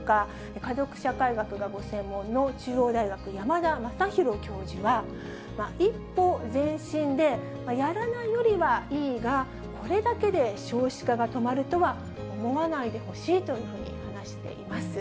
家族社会学がご専門の、中央大学、山田昌弘教授は、一歩前進で、やらないよりはいいが、これだけで少子化が止まるとは思わないでほしいというふうに話しています。